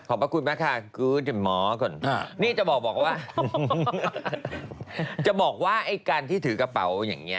ขอบพระคุณมากค่ะกูเห็นหมอก่อนนี่จะบอกว่าไอ้การที่ถือกระเป๋าอย่างนี้นะ